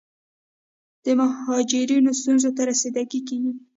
د مهاجرینو ستونزو ته رسیدګي کیږي.